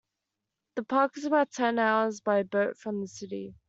The park is about ten hours by boat from the city.